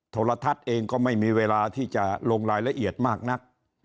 โทรทัศน์เองก็ไม่มีเวลาที่จะลงรายละเอียดมากนัก